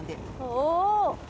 おお！